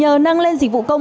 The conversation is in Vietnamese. nhờ năng lên dịch vụ công